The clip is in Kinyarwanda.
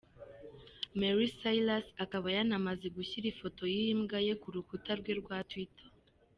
Miley Cyrus akaba yanamaze gushyira ifoto y’iyi mbwa ku rukuta rwe rwa Twitter.